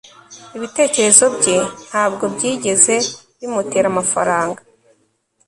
ibitekerezo bye ntabwo byigeze bimutera amafaranga